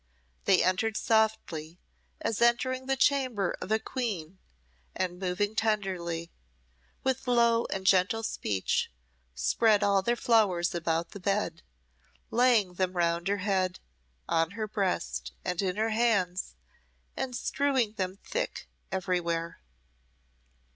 They entered softly, as entering the chamber of a queen, and moving tenderly, with low and gentle speech, spread all their flowers about the bed laying them round her head, on her breast, and in her hands, and strewing them thick everywhere.